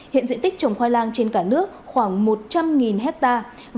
hiện diện tích trồng khoai lang trên cả nước khoảng một trăm linh hectare